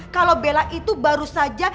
kalau bela itu baru saja